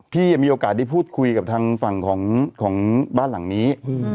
มีโอกาสได้พูดคุยกับทางฝั่งของบ้านหลังนี้